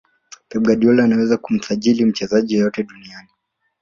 pep guardiola anaweza kumsajili mchezaji yeyote duniani